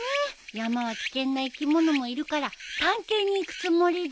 山は危険な生き物もいるから探検に行くつもりで。